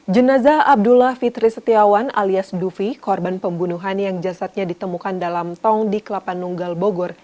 jenazah abdullah fitri setiawan alias dufi korban pembunuhan yang jasadnya ditemukan dalam tong di kelapa nunggal bogor